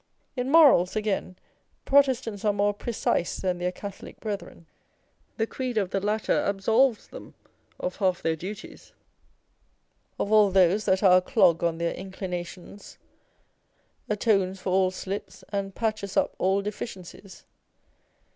In morals, again, Protestants are more precise than their Catholic brethren. The creed of the latter absolves them of half their duties, of all those Hot and Cold. 249 that are a clog on their inclinations, atones for all slips, and patches up all deficiencies.